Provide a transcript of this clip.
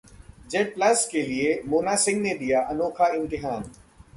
Z plus के लिए मोना सिंह ने दिया अनोखा इम्तिहान